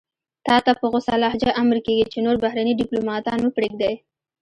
تاته په غوڅه لهجه امر کېږي چې نور بهرني دیپلوماتان مه پرېږدئ.